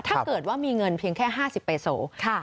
ถ้าเกิดว่ามีเงินเพียงแค่๕๐เบโซ